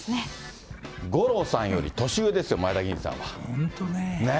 五郎さんより年上ですよ、前本当ね。